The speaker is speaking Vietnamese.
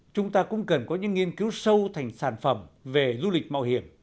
chúng ta cũng cần có những nghiên cứu sâu thành sản phẩm về du lịch mạo hiểm